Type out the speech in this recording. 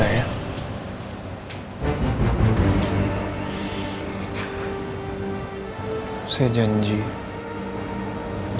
saya gak akan pernah membiarkan ini semua terjadi